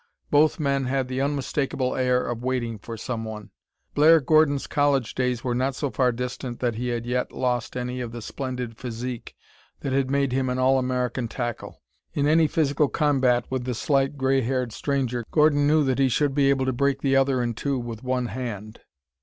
Both men had the unmistakable air of waiting for someone. Blair Gordon's college days were not so far distant that he had yet lost any of the splendid physique that had made him an All American tackle. In any physical combat with the slight gray haired stranger, Gordon knew that he should be able to break the other in two with one hand.